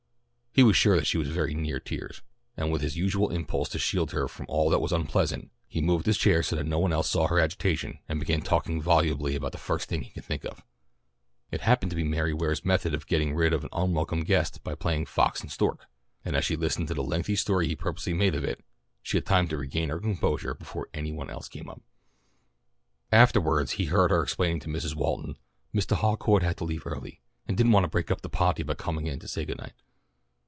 He was sure that she was very near tears, and with his usual impulse to shield her from all that was unpleasant, he moved his chair so that no one else saw her agitation and began talking volubly about the first thing he could think of. It happened to be Mary Ware's method of getting rid of an unwelcome guest by playing Fox and Stork, and as she listened to the lengthy story he purposely made of it, she had time to regain her composure before any one else came up. Afterwards he heard her explaining to Mrs. Walton, "Mistah Harcourt had to leave early, and didn't want to break up the pah'ty by coming in to say good night."